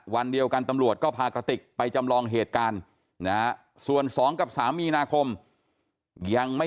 วันเดียวกันตำรวจก็พากระติกไปจำลองเหตุการณ์นะส่วน๒กับ๓มีนาคมยังไม่